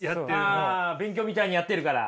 勉強みたいにやってるから。